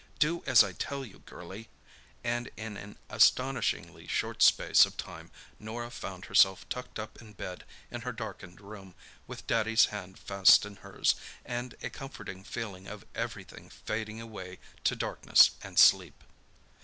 Do as I tell you, girlie;" and in an astonishingly short space of time Norah found herself tucked up in bed in her darkened room, with Daddy's hand fast in hers, and a comforting feeling of everything fading away to darkness and sleep.